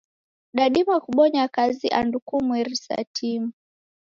Dadima kubonya kazi andu kumweri sa timu.